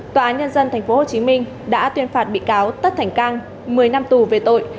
tòa án nhân dân tp hcm đã tuyên phạt bị cáo tất thành cang một mươi năm tù về tội